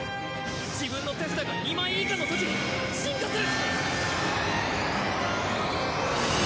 自分の手札が２枚以下のとき進化する。